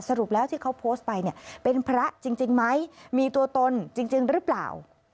สรุปแล้วที่เขาโพสต์ไปเนี่ยเป็นพระจริงไหมมีตัวตนจริงหรือเปล่า